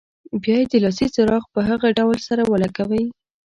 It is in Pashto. بیا یې د لاسي چراغ په هغه ډول سره ولګوئ.